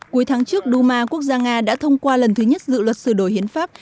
cuối tháng trước đu ma quốc gia nga đã thông qua lần thứ nhất dự luật sửa đổi hiến pháp